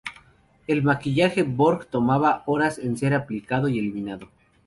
El maquillaje Borg tomaba horas en ser aplicado y eliminado.